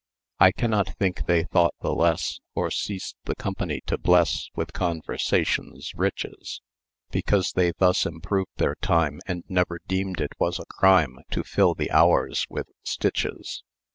"I cannot think they thought the less, Or ceased the company to bless With conversation's riches, Because they thus improved their time, And never deemed it was a crime To fill the hours with stitches.